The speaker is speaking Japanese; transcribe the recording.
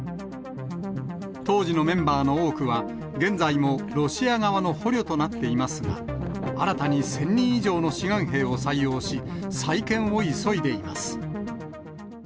当時のメンバーの多くは、現在もロシア側の捕虜となっていますが、新たに１０００人以上の志願兵を採用し、再建を急いでいます。